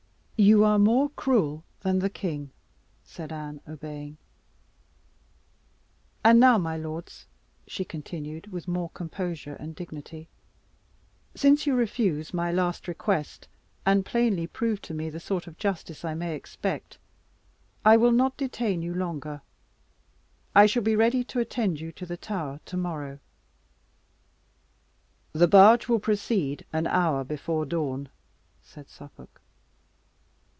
"You are more cruel than the king," said Anne, obeying. "And now, my lords," she continued with more composure and dignity, "since you refuse my last request, and plainly prove to me the sort of justice I may expect, I will not detain you longer. I shall be ready to attend you to the Tower tomorrow." "The barge will proceed an hour before dawn," said Suffolk.